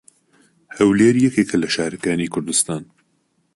هەولێر یەکێکە لە شارەکانی کوردستان.